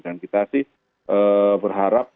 dan kita sih berharap